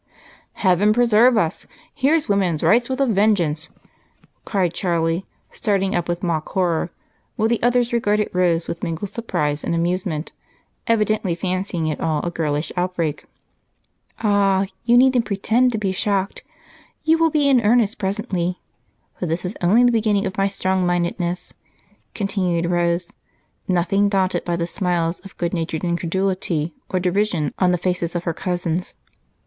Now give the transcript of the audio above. "Heaven preserve us! Here's woman's rights with a vengeance!" cried Charlie, starting up with mock horror, while the others regarded Rose with mingled surprise and amusement, evidently fancying it all a girlish outbreak. "Ah, you needn't pretend to be shocked you will be in earnest presently, for this is only the beginning of my strong mindedness," continued Rose, nothing daunted by the smiles of good natured incredulity or derision on the faces of her cousins.